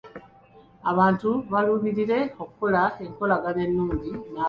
Abantu baluubirire okukola enkolagana ennungi n'abalala.